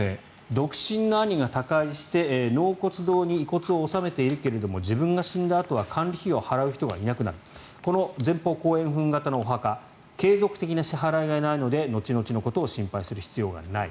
独身の兄が他界して納骨堂に遺骨を納めているけど自分が死んだあとは管理費を払う人がいなくなるこの前方後円墳形のお墓は継続的な支払いがないので後々のことを心配する必要がない。